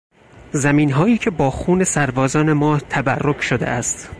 زمینهایی که با خون سربازان ما تبرک شده است